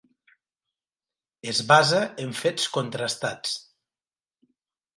Es basa en fets contrastats.